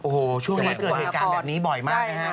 โอ้โหช่วงนี้เกิดเหตุการณ์แบบนี้บ่อยมากนะฮะ